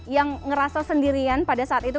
yang ngerasa sendirian pada saat itu